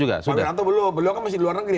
juga pak wiratong belum beliau kan masih di luar nkri